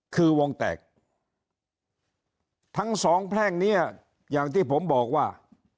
คือวงแตกทั้งสองแพร่งนี้อย่างที่ผมบอกว่า